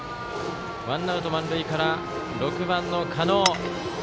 ワンアウト満塁から６番の狩野。